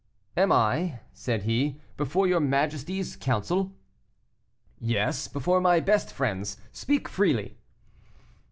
"Am I," said he, "before your majesty's council?" "Yes, before my best friends; speak freely."